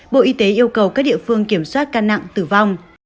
bộ y tế yêu cầu các địa phương kiểm soát ca nặng tử vong